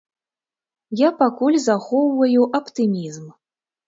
Я пакуль захоўваю аптымізм.